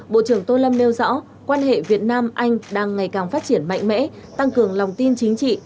bộ trưởng tô lâm nêu rõ quan hệ việt nam anh đang ngày càng phát triển mạnh mẽ tăng cường lòng tin chính trị